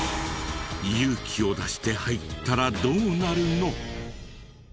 勇気を出して入ったらどうなるの？